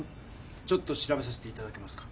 ちょっと調べさせていただけますか？